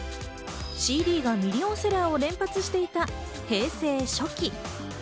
ＣＤがミリオンセラーを連発していた平成初期。